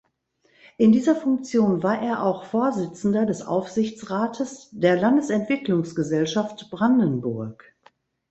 In dieser Funktion war er auch Vorsitzender des Aufsichtsrates der Landesentwicklungsgesellschaft Brandenburg.